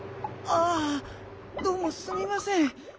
あああどうもすみません。